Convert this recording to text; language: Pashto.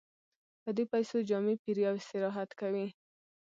په دې پیسو جامې پېري او استراحت کوي